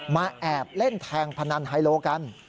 แอบเล่นแทงพนันไฮโลกัน